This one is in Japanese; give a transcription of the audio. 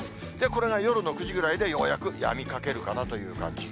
これが夜の９時ぐらいで、ようやくやみかけるかなという感じ。